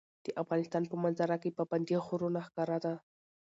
د افغانستان په منظره کې پابندی غرونه ښکاره ده.